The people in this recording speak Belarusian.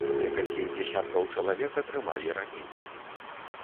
Некалькі дзесяткаў чалавек атрымалі раненні.